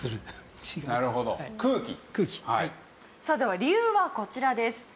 さあでは理由はこちらです。